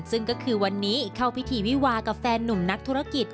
ซึ่งก็คือวันนี้เข้าพิธีวิวากับแฟนนุ่มนักธุรกิจ